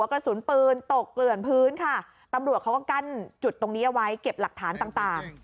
ปืนตกเกลื่อนพื้นค่ะตำรวจเขาก็กั้นจุดตรงนี้ไว้เก็บหลักฐานต่าง